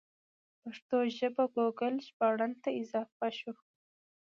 پښتو ژبه ګوګل ژباړن ته اضافه شوه.